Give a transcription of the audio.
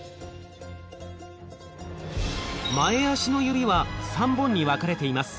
前足の指は３本に分かれています。